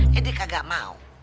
jadi kagak mau